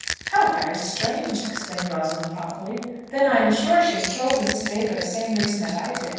"How very strange!" exclaimed Rosalind thoughtfully. "Then I am sure she has chosen this day for the same reason that I did.